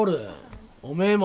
おめえも。